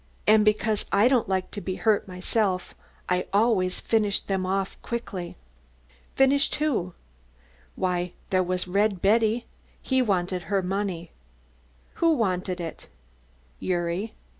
And because I don't like to be hurt myself I always finished them off quickly." "Finished who?" "Why, there was Red Betty, he wanted her money." "Who wanted it?" "Gyuri."